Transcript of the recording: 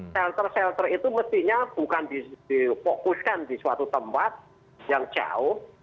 shelter shelter itu mestinya bukan dipokuskan di suatu tempat yang jauh